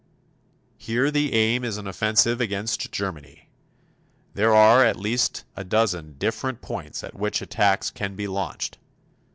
Here the aim is an offensive against Germany. There are at least a dozen different points at which attacks can be launched.